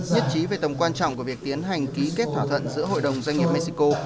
nhất trí về tầm quan trọng của việc tiến hành ký kết thỏa thuận giữa hội đồng doanh nghiệp mexico